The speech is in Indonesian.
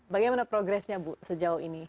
bagaimana progresnya bu sejauh ini